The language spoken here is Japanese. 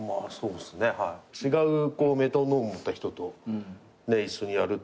違うメトロノーム持った人と一緒にやるっていうことの。